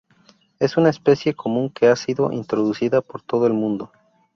Es una especie común que ha sido introducida por todo el mundo.